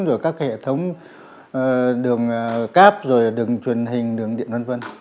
rồi các hệ thống đường cáp rồi đường truyền hình đường điện vân vân